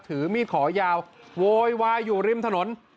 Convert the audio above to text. ถือมีดขอยาวโวยวายอยู่ริมถนน